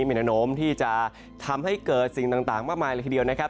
มีแนวโน้มที่จะทำให้เกิดสิ่งต่างมากมายเลยทีเดียวนะครับ